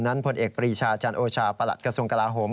ผลเอกปรีชาจันโอชาประหลัดกระทรวงกลาโหม